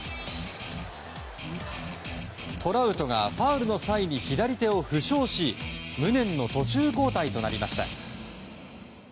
トラウトがファウルの際に左手を負傷し無念の途中交代となりました。